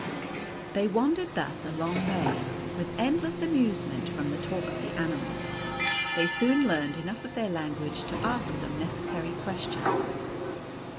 They wandered thus a long way, with endless amuse ment from the talk of the animals. They soon learned enough of their language to ask them necessary ques tions.